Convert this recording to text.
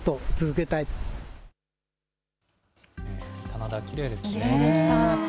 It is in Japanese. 棚田、きれいですね。